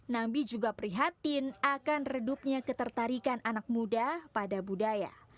nambi juga prihatin akan redupnya ketertarikan anak muda pada budaya